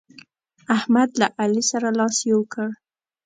احمد له علي سره لاس يو کړ.